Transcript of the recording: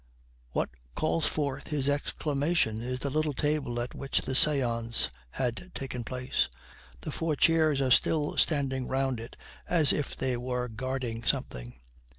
What calls forth this exclamation, is the little table at which the seance had taken place. The four chairs are still standing round it, as if they were guarding something.